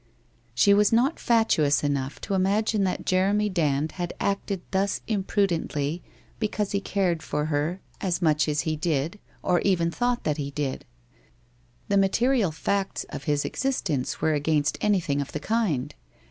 She was not fatuous enough to imagine that Jeremy Dand had acted thus imprudently because he cared for her WHITE ROSE OF WEARY LEAF 161 as much as he said, or even thought that he did. The material facts of his existence were against anything of the kind.